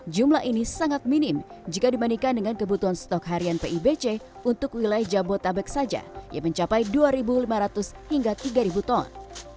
jumlah ini sangat minim jika dibandingkan dengan kebutuhan stok harian pibc untuk wilayah jabodetabek saja yang mencapai dua lima ratus hingga tiga ton